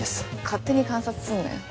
「勝手に観察すんなよ。